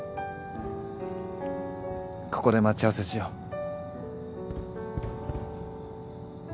ここで待ち合わせしよう